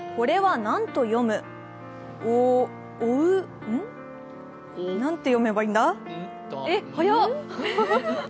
何て読めばいいんだ？